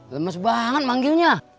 lemes banget manggilnya